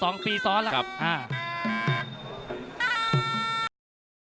นักมวยจอมคำหวังเว่เลยนะครับ